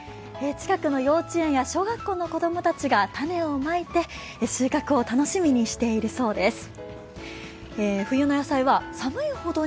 近くの幼稚園や小学校の子供たちが種をまいて収穫を楽しみにしているそうです。